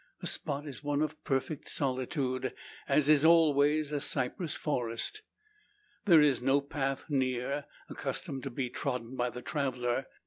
The spot is one of perfect solitude, as is always a cypress forest. There is no path near, accustomed to be trodden by the traveller.